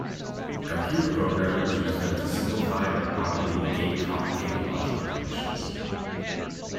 Computer programmers use them to simplify or properly negate complicated logical conditions.